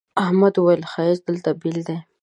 احمد وويل: ښایست دلته بېل دی.